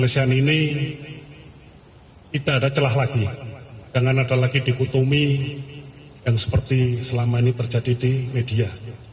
selama ini terjadi di media